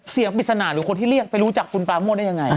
ปริศนาหรือคนที่เรียกไปรู้จักคุณปราโมทได้ยังไง